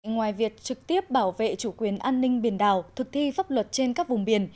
ngoài việc trực tiếp bảo vệ chủ quyền an ninh biển đảo thực thi pháp luật trên các vùng biển